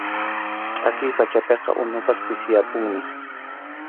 Chʼakiy pachapiqa unupas pisiyamunmi.